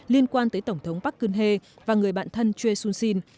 liên quan tới tổng thống park geun hye và người bạn thân choi soon sin